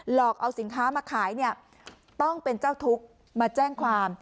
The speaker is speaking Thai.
อกเอาสินค้ามาขายเนี่ยต้องเป็นเจ้าทุกข์มาแจ้งความ